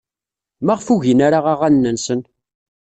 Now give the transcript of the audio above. Maɣef ur gin ara aɣanen-nsen?